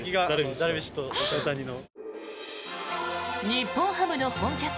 日本ハムの本拠地